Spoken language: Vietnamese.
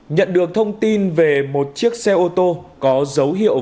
nhận được thông tin về một chiếc xe ô tô có dấu hiệu